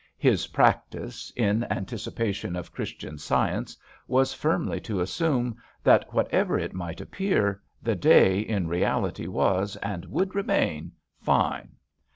His practice, in anticipation of Christian science, was firmly to assume, that whatever it might appear, the day in reality was, and would remain, fine.